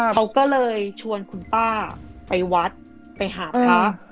เขาก็เลยชวนคุณป้าไปวัดไปหาพระ